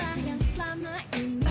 kau lah yang selama ini